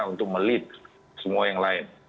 untuk melit semua yang lain